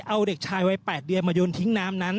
เอาเด็กชายวัย๘เดือนมาโยนทิ้งน้ำนั้น